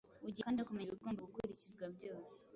Ugiye kandi no kumenya ibigomba gukurikizwa byose